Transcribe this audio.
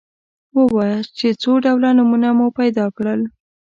ووایاست چې څو ډوله نومونه مو پیدا کړل.